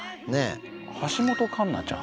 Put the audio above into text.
橋本環奈ちゃん